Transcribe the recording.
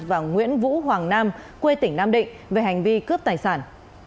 và nguyễn vũ hoàng nam quê tỉnh nam định về hành vi cướp tài sản